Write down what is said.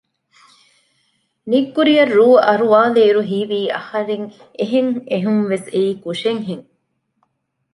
ނިތްކުރިއަށް ރޫ އަރުވާލި އިރު ހީވީ އަހަރެން އެހެން އެހުންވެސް އެއީ ކުށެއް ހެން